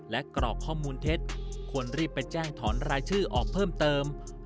และกรอกข้อมูลเท็จควรรีบไปแจ้งถอนรายชื่อออกเพิ่มเติม